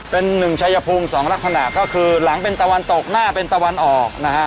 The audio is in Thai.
เป็นหนึ่งชัยภูมิ๒ลักษณะก็คือหลังเป็นตะวันตกหน้าเป็นตะวันออกนะฮะ